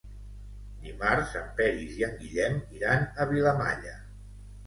Dimarts en Peris i en Guillem iran a Vilamalla.